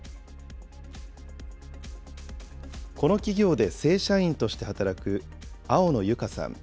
この企業で正社員として働く、青野友香さん。